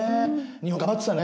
日本頑張ってたね。